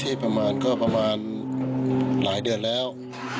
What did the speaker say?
ประมาณก็ประมาณหลายเดือนแล้ว